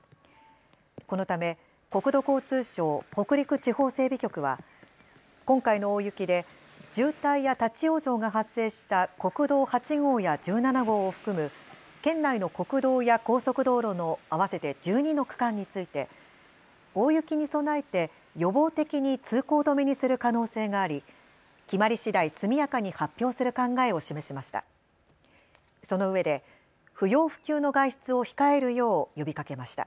このため国土交通省・北陸地方整備局は今回の大雪で渋滞や立往生が発生した国道８号や１７号を含む県内の国道や高速道路の合わせて１２の区間について大雪に備えて予防的に通行止めにする可能性があり決まりしだい速やかに発表する考えを示しました。